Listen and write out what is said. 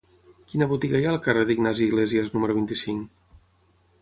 Quina botiga hi ha al carrer d'Ignasi Iglésias número vint-i-cinc?